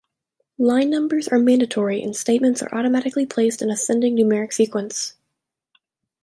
Line numbers are mandatory and statements are automatically placed in ascending numeric sequence.